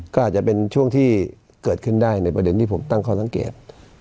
ก็อาจจะเป็นช่วงที่เกิดขึ้นได้ในประเด็นที่ผมตั้งข้อสังเกต